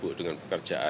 iya ini kan ini pun kan